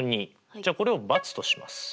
じゃあこれを×とします。